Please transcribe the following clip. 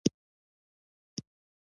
جمال خان په خندا ځواب ورکړ او لاړ